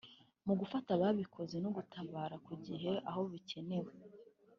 mu gufata ababikoze no gutabara ku gihe aho bikenewe